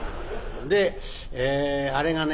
であれがね